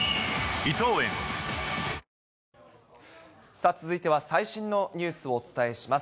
さあ、続いては最新のニュースをお伝えします。